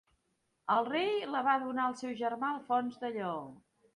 El rei la va donar al seu germà Alfons de Lleó.